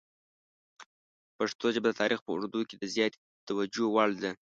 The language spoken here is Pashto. پښتو ژبه د تاریخ په اوږدو کې د زیاتې توجه وړ ده.